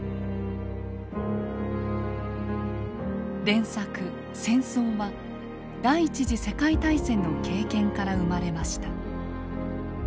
連作「戦争」は第一次世界大戦の経験から生まれました。